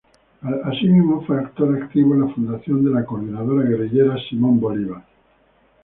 Así mismo fue actor activo en la fundación de la Coordinadora Guerrillera Simón Bolívar.